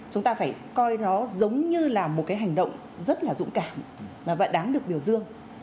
chúng ta phải coi nó giống như là một cái hành động rất là dũng cảm và đáng được biểu dương